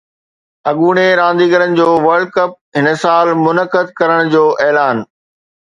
اڳوڻي رانديگرن جو ورلڊ ڪپ هن سال منعقد ڪرڻ جو اعلان